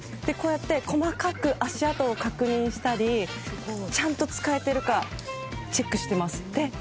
こうやって細かく足跡を確認したりちゃんと使えているかチェックしています。